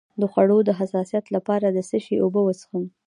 د خوړو د حساسیت لپاره د څه شي اوبه وڅښم؟